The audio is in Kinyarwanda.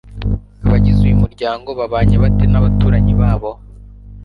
Abagize uyu muryango babanye bate n abaturanyi babo